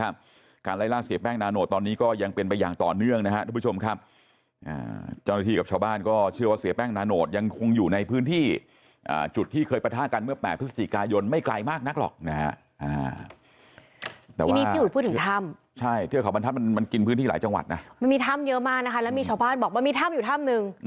มันมีถ้ำเยอะมากแล้วมีชาวบ้านบอกมันมีถ้ำอยู่ถ้ำหนึ่ง